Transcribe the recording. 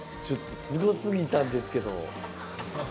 ちょっとすごすぎたんですけど。